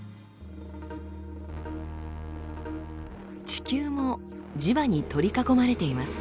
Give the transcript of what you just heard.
地球も磁場に取り囲まれています。